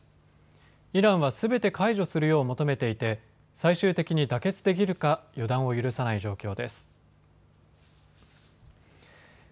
イランはすべて解除するよう求めていて最終的に妥結できるか予断を許さない状況です。